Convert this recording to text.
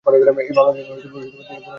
এই মামলার জন্য তিনি পুনরায় গ্রেফতার হন।